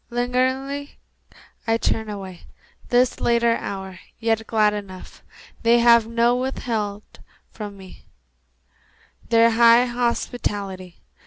Lingeringly I turn away, This late hour, yet glad enough They have not withheld from me Their high hospitality.